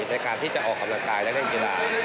ในการที่จะออกกำลังกายและเล่นกีฬา